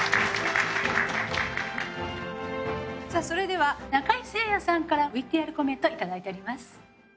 それでは中井精也さんからＶＴＲコメントいただいております。